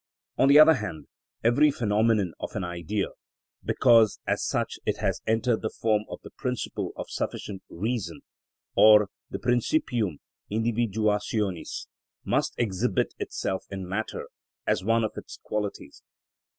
On the other hand, every phenomenon of an Idea, because as such it has entered the form of the principle of sufficient reason, or the principium individuationis, must exhibit itself in matter, as one of its qualities.